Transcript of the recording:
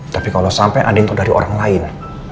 tapi kalau sampai andin tau dari orang lain